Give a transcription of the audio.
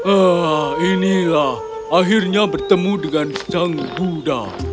ah inilah akhirnya bertemu dengan ceng buddha